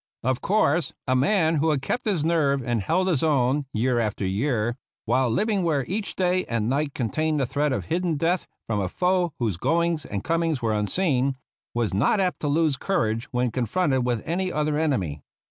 Of course, a man who had kept his nerve and held his own, year after year, while living where each day and night contained the threat of hidden death from a foe whose goings and com ings were unseen, was not apt to lose courage when confronted with any other enemy.